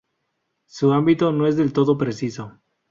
Su ámbito no es del todo preciso.